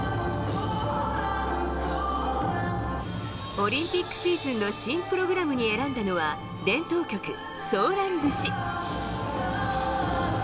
オリンピックシーズンの新プログラムに選んだのは伝統曲「ソーラン節」。